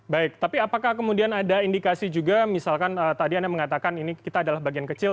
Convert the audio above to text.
baik tapi apakah kemudian ada indikasi juga misalkan tadi anda mengatakan ini kita adalah bagian kecil